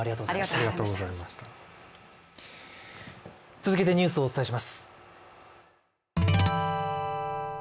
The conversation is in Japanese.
続けてニュースをお伝えします。